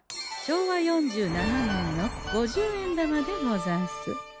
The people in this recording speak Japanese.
昭和４７年の五十円玉でござんす。